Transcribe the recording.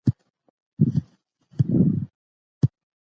کارګرانو د ډیرو ساعتونو لپاره کار کاوه.